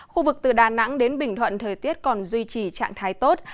khu vực từ đà nẵng đến bình thuận thời tiết còn duy trì trạng thái tốt